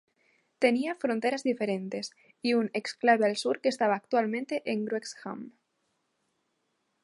Tenía fronteras diferentes, y un exclave al sur que está actualmente en Wrexham.